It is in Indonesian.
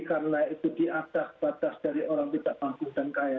karena itu di atas batas dari orang tidak mampu dan kaya